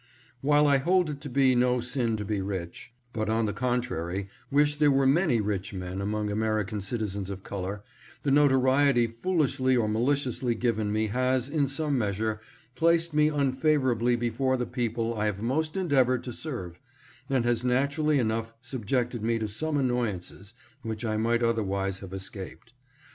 While I hold it to be no sin to be rich, but, on the contrary, wish there were many rich men among Ameri can citizens of color, the notoriety foolishly or mali ciously given me has, in some measure, placed me unfavorably before the people I have most endeavored to serve, and has naturally enough subjected me to some annoyances which I might otherwise have escaped.